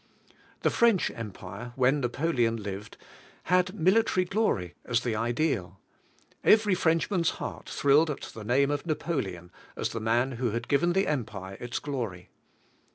The French Empire, when Napoleon lived, had mili tary glory as the ideal. Every Frenchman's heart thrilled at the name of Napoleon as the man who had given the empire its glory.